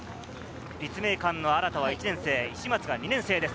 立命館の荒田は１年生・石松が２年生です。